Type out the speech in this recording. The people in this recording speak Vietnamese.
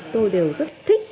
tôi đều rất thích